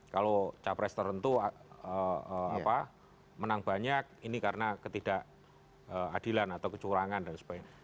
kalau capres tertentu menang banyak ini karena ketidakadilan atau kecurangan dan sebagainya